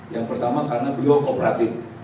yang pertama karena beliau kooperatif